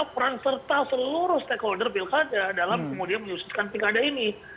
peran serta seluruh stakeholder pilkada dalam kemudian menyusutkan pilkada ini